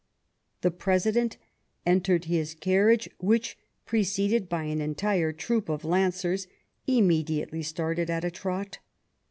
The President entered his carriage which, preceded by an entire troop of Lancers, immediately started at a trot.